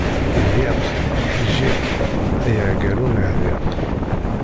Iḍyiq, ijjiq, a yaɛeggal ur neḥdiq!